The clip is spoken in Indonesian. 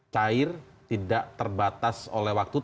cair tidak terbatas oleh waktu